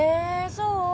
そう。